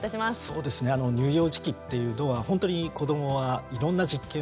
そうですね乳幼児期っていうのはほんとに子どもはいろんな実験をします。